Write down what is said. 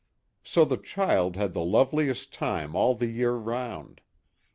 So the child had the loveliest time all the year round.